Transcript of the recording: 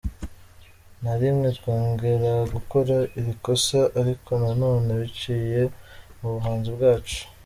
na rimwe twongera gukora iri kosa, ariko na none biciye mu buhanzi bwacu,